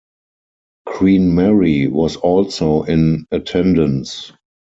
Queen Mary was also in attendance.